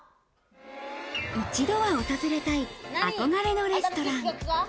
一度は訪れたい憧れのレストラン。